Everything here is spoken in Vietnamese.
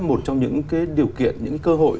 một trong những điều kiện những cơ hội